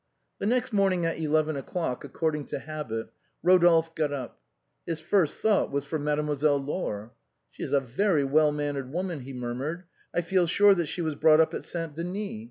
The next morning at eleven o'clock, according to habit, Rodolphe got up. His first thought was for Mademoiselle Laure. " She is a very well mannered woman," he murmured ;" I feel sure that she was brought up at Saint Denis.